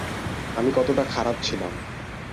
আমি কতটা খারাপ ছিলাম!